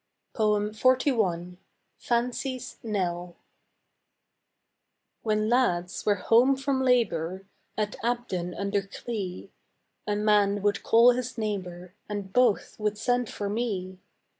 XLI. FANCY'S KNELL When lads were home from labour At Abdon under Clee, A man would call his neighbor And both would send for me.